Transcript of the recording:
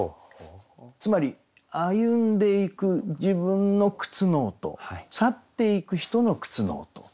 つまり歩んでいく自分の靴の音去っていく人の靴の音。